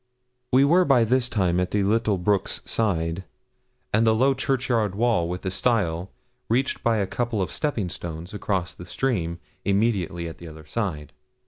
We were by this time at the little brook's side, and the low churchyard wall with a stile, reached by a couple of stepping stones, across the stream, immediately at the other side.